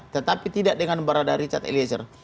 tetapi tidak dengan barada richard eliezer